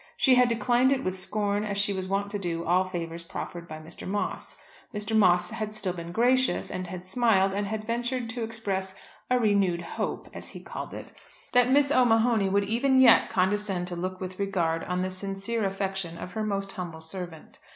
She had declined it with scorn as she was wont to do all favours proffered by Mr. Moss. Mr. Moss had still been gracious, and had smiled, and had ventured to express "a renewed hope," as he called it, that Miss O'Mahony would even yet condescend to look with regard on the sincere affection of her most humble servant.